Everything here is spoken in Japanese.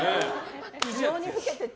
異常に老けてて。